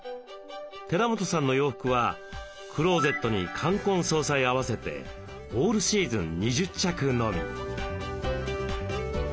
寺本さんの洋服はクローゼットに冠婚葬祭合わせてオールシーズン２０着のみ。